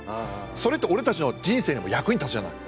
それって俺たちの人生にも役に立つじゃない。